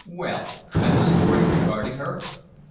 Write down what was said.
"Well and the story regarding her?"